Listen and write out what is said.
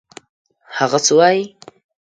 هغه څه وايي.